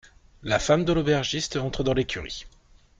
La femme de l'aubergiste entre dans l'écurie.